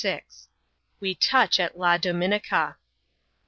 We toach at La Dominica.